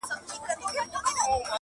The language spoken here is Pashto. حقيقت د سور تر شا ورک پاتې کيږي تل,